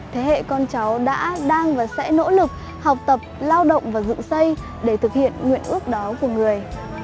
thế hệ con cháu đã đang và sẽ nỗ lực học tập lao động và dựng xây để thực hiện nguyện ước đó của người